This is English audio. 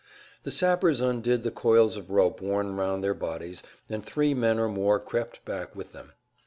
The sappers undid the coils of rope worn round their bodies, and three men or more crept back with them.